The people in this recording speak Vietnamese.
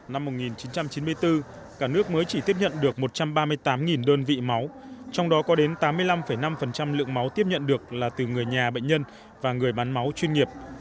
năm một nghìn chín trăm chín mươi bốn cả nước mới chỉ tiếp nhận được một trăm ba mươi tám đơn vị máu trong đó có đến tám mươi năm năm lượng máu tiếp nhận được là từ người nhà bệnh nhân và người bán máu chuyên nghiệp